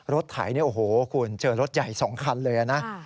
ไถเนี่ยโอ้โหคุณเจอรถใหญ่๒คันเลยนะ